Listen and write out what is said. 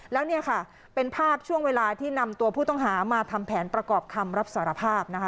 แล้วเนี่ยค่ะเป็นภาพช่วงเวลาที่นำตัวผู้ต้องหามาทำแผนประกอบคำรับสารภาพนะคะ